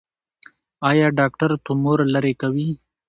ایا ډاکټر تومور لرې کوي؟